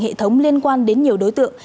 hệ thống liên quan đến nhiều đối tượng